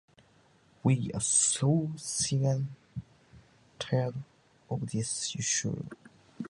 しかし、今日は寒いな。